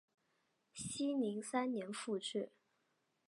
熙宁三年复置。